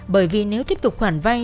bởi vì nếu tiếp tục khoản vay